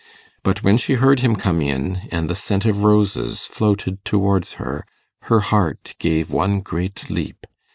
But when she heard him come in, and the scent of roses floated towards her, her heart gave one great leap.